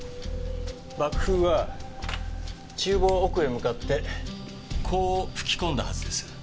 爆風は厨房奥へ向かってこう吹き込んだはずです。